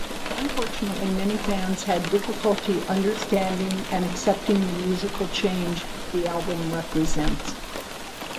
Unfortunately, many fans had difficulty understanding and accepting the musical change the album represents.